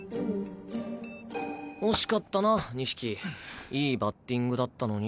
惜しかったな錦いいバッティングだったのに。